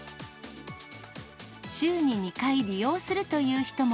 週に２回利用するという人も。